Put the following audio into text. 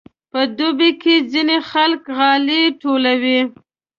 په دوبي کې ځینې خلک غالۍ ټولوي.